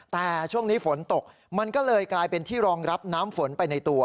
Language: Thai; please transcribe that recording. แต่ช่วงนี้ฝนตกมันก็เลยกลายเป็นที่รองรับน้ำฝนไปในตัว